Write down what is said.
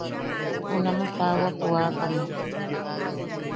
Junamaʼa taawak ju aakame.